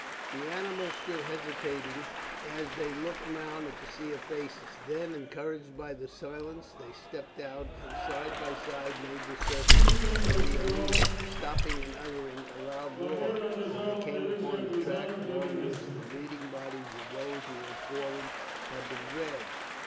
The animals stood hesitating as they looked round at the sea of faces, then, encouraged by the silence, they stepped out, and side by side made the circuit of the arena, stopping and uttering a loud roar as they came upon the track along which the bleeding bodies of those who had fallen had been dragged.